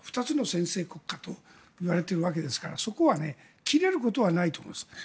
２つの専制国家といわれているわけですからそこは切れることはないと思います。